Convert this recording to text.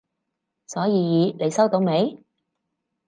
所以你收到未？